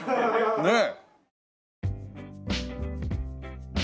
ねえ。